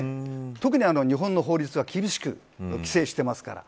特に日本の法律が厳しく規制しています。